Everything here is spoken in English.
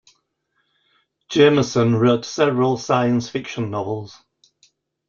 Jameson wrote several science fiction novels.